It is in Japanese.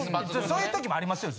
そういうときもありますよ